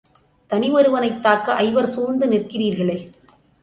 தனி ஒருவனைத் தாக்க ஐவர் சூழ்ந்து நிற்கிறீர்களே!